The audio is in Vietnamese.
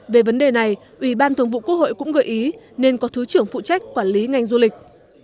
về vấn đề này ủy ban thường vụ quốc hội cũng gợi ý nên có thứ trưởng phụ trách quản lý ngành du lịch